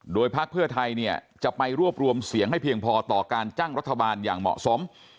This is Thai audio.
โดยพักเพื่อไทยเนี่ยจะไปรวบรวมเสียงให้เพียงพอต่อการจ้างรัฐบาลอย่างเหมาะสม